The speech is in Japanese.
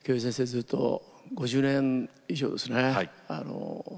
ずっと５０年以上ですね